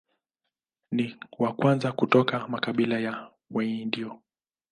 Ni wa kwanza kutoka makabila ya Waindio.